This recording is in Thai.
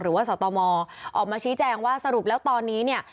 หรือว่าสตอออกมาชี้แจ้งว่าสรุปแล้วตอนนี้เนี่ย